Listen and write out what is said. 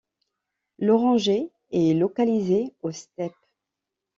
L'Orangé est localisé aux steppes.